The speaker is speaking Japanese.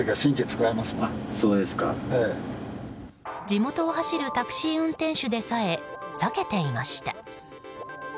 地元を走るタクシー運転手でさえ避けていました。